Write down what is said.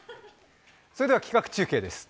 それでは企画中継です。